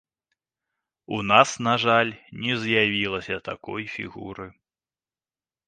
У нас, на жаль, не з'явілася такой фігуры.